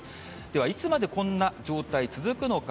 では、いつまでこんな状態続くのか。